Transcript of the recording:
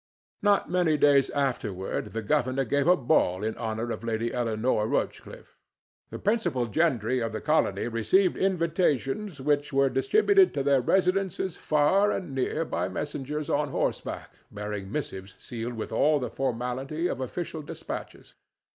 Not many days afterward the governor gave a ball in honor of Lady Eleanore Rochcliffe. The principal gentry of the colony received invitations, which were distributed to their residences far and near by messengers on horseback bearing missives sealed with all the formality of official despatches.